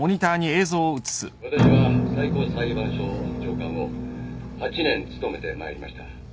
私は最高裁判所長官を８年務めてまいりました。